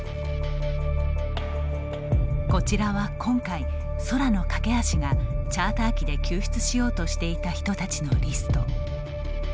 こちらは今回空の架け橋がチャーター機で救出しようとしていた人たちのリスト。